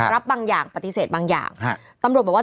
บางอย่างปฏิเสธบางอย่างตำรวจบอกว่า